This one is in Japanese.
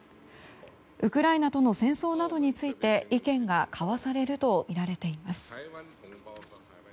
ウクライナとの戦争などについて意見が交わされるとみられています。